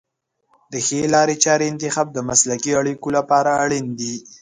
د ښې لارې چارې انتخاب د مسلکي اړیکو لپاره اړین دی.